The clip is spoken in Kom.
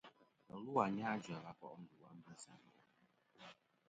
Và lu a Anyajua va ko' ndu a Mbessa.